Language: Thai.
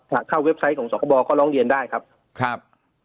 หากเข้าเว็บไซต์ของสคบก็ร้องเรียนได้ครับครับ